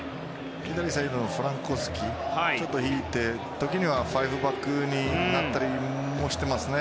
左サイドのフランコフスキがちょっと引いて時には５バックになったりもしてますね。